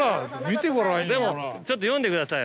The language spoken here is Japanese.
見てごらんよ。